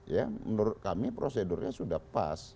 ya menurut kami prosedurnya sudah pas